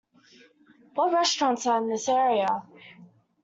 What restaurants are in this area?